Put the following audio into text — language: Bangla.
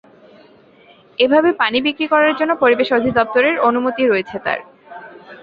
এভাবে পানি বিক্রি করার জন্য পরিবেশ অধিদপ্তরের অনুমতি রয়েছে তাঁর।